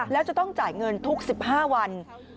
แล้วจะต้องจ่ายเงินทุก๑๕วัน